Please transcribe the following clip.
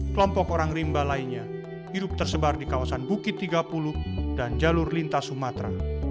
kelompok orang rimba lainnya hidup tersebar di kawasan bukit tiga puluh dan jalur lintas sumatera